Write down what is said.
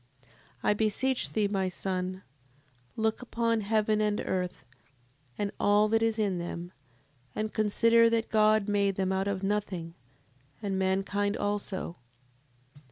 7:28. I beseech thee, my son, look upon heaven and earth, and all that is in them, and consider that God made them out of nothing, and mankind also: 7:29.